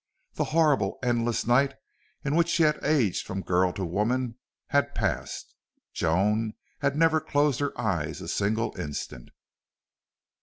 The horrible endless night, in which she had aged from girl to woman, had passed. Joan had never closed her eyes a single instant.